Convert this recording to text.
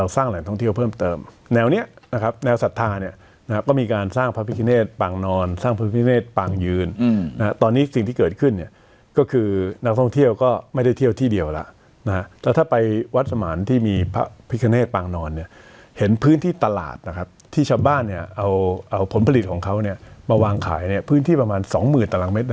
สองหมื่นตารางเม็ดได้บ้างแล้วคนเต็มอะไรครับคือนี่คือ